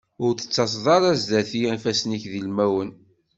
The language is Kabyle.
Ur d-tettaẓeḍ ara zdat-i ifassen-ik d ilmawen.